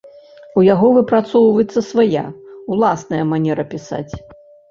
У яго выпрацоўваецца свая ўласная манера пісаць.